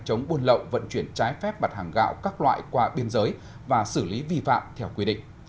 chống buôn lậu vận chuyển trái phép mặt hàng gạo các loại qua biên giới và xử lý vi phạm theo quy định